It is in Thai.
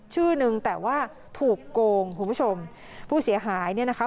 ชื่อนึงแต่ว่าถูกโกงคุณผู้ชมผู้เสียหายเนี่ยนะคะ